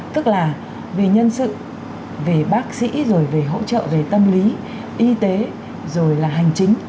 tức là về nhân sự về bác sĩ rồi về hỗ trợ về tâm lý y tế rồi là hành chính